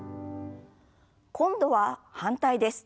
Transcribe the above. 今度は反対です。